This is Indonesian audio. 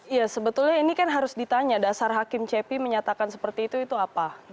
iya sebetulnya ini kan harus ditanya dasar hakim cepi menyatakan seperti itu itu apa